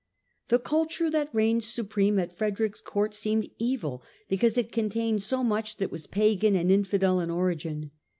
The culture that reigned supreme at Frederick's Court seemed evil because it contained so much that was pagan and infidel in origin.